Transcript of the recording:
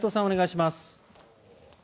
お願いします。